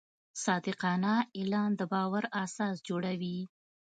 صادقانه اعلان د باور اساس جوړوي.